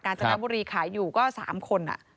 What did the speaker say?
กาญจนบรีขายอยู่ก็สามคน